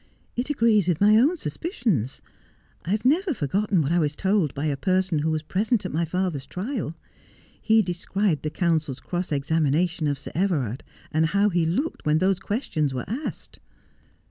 It agrees with my own suspicious. I have never forgotten what I was told by a person who was present at my father's trial. He described the counsel's cross examination of Sir Everard, and how he looked when those questions were asked.'